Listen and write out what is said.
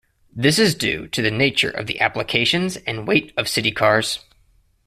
This is due to the nature of the applications and weight of city cars.